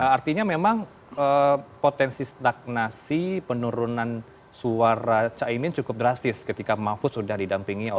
artinya memang potensi stagnasi penurunan suara cak imin cukup drastis ketika mahfuz sudah didampingi oleh